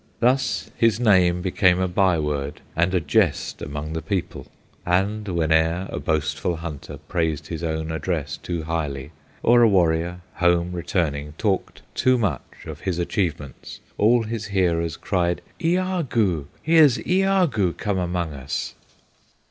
Thus his name became a by word And a jest among the people; And whene'er a boastful hunter Praised his own address too highly, Or a warrior, home returning, Talked too much of his achievements, All his hearers cried, "Iagoo! Here's Iagoo come among us!"